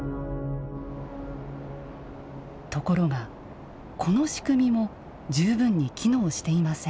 ところがこの仕組みも十分に機能していません。